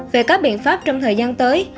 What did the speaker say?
về các biện pháp trong thời gian tới